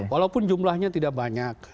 walaupun jumlahnya tidak banyak